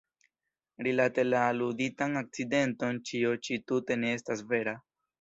Rilate la aluditan akcidenton ĉio ĉi tute ne estas vera.